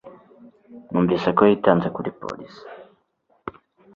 Numvise ko yitanze kuri polisi